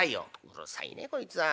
「うるさいねこいつは。